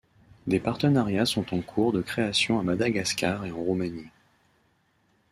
Des partenariats sont en cours de création à Madagascar et en Roumanie.